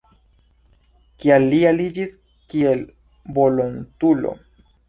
Kial li aliĝis kiel volontulo?